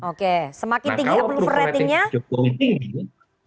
oke semakin tinggi approval ratingnya